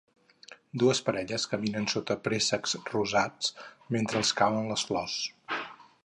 Dues parelles caminen sota préssecs rosats, mentre els cauen les flors.